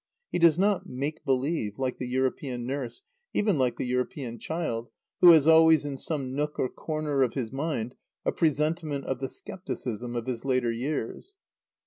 He does not "make believe" like the European nurse, even like the European child, who has always, in some nook or corner of his mind, a presentiment of the scepticism of his later years.